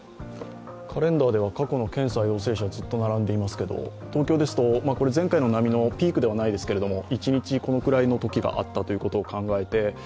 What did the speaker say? カレンダーでは過去の検査陽性者が並んでいますけど東京ですと前回の波のピークではないですけど一日このくらいのときがあったことを考えて、